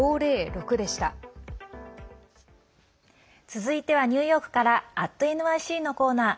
続いてはニューヨークから「＠ｎｙｃ」のコーナー。